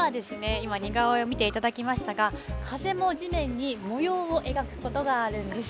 今似顔絵を見ていただきましたが風も地面に模様を描くことがあるんです。